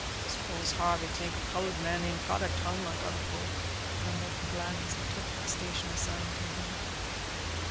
"I s'pose Harvey t'ink a colored man ain't got a tongue like oder folk," grumbled the black, as he took the station assigned to him.